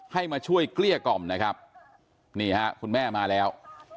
ให้มาช่วยเกลี้ยกล่อมนะครับนี่ฮะคุณแม่มาแล้ว